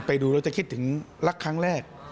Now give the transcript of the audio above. ไปดูแล้วจะคิดถึงรักครั้งแรก